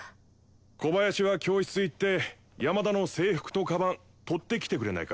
小林は教室行って山田の制服とかばん取ってきてくれないか？